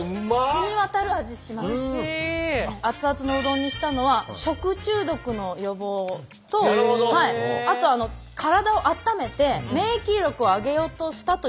アツアツのうどんにしたのは食中毒の予防とあと体を温めて免疫力を上げようとしたという説があるそうです。